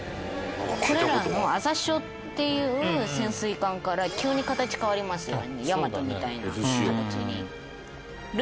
これらの「あさしお」っていう潜水艦から急に形変わりますよね「大和」みたいな形に見える。